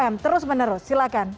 tiga m terus menerus silakan